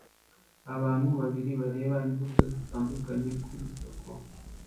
Abantu babiri bareba imbuto zitandukanye ku isoko